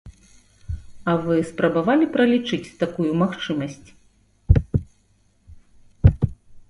А вы спрабавалі пралічыць такую магчымасць?